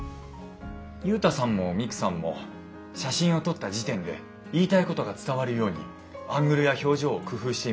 ユウタさんもミクさんも写真を撮った時点で言いたいことが伝わるようにアングルや表情を工夫していましたよね。